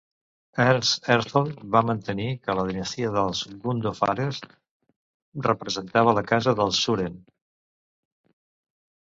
Ernst Herzfeld va mantenir que la dinastia dels Gondophares representava la casa dels Suren.